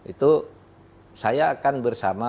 itu saya akan bersama